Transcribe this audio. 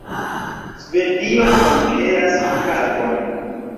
Svedio konkeras Pragon.